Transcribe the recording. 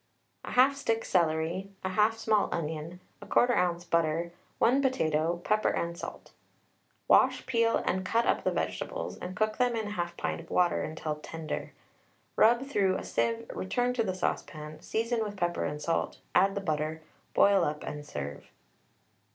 1/2 stick celery, 1/2 small onion, 1/4 oz. butter, 1 potato, pepper and salt. Wash, peel, and cut up the vegetables, and cook them in 1/2 pint of water till tender. Rub through a sieve, return to the saucepan, season with pepper and salt, add the butter, boil up, and serve.